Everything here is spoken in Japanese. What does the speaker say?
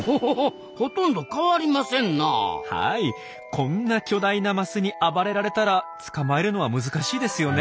こんな巨大なマスに暴れられたら捕まえるのは難しいですよね。